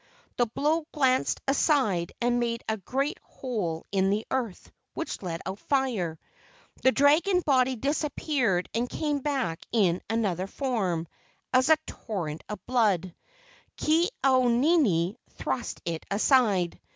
The blow glanced aside and made a great hole in the earth, which let out fire. The dragon body disappeared and came back in another form, as a torrent of blood. Ke au nini thrust it aside.